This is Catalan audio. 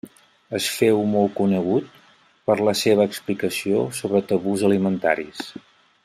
Es féu molt conegut per la seva explicació sobre tabús alimentaris.